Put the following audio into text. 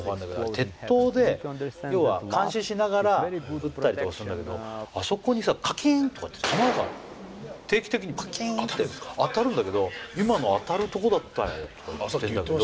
鉄塔で要は監視しながら撃ったりとかするんだけどあそこにさカキンッ！とかって弾が定期的にカキンッ！って当たるんだけど「今の当たるところだったよ」とか言ってんだけど。